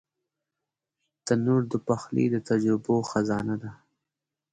تنور د پخلي د تجربو خزانه ده